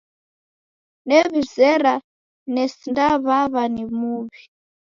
New'izera nesindaw'aw'a ni muw'i.